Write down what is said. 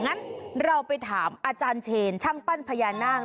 งั้นเราไปถามอาจารย์เชนช่างปั้นพญานาค